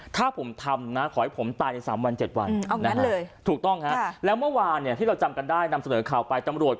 ถ้าผมทำขอให้ผมตาย๓๗วัน